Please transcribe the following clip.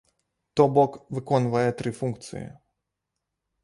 То бок, выконвае тры функцыі.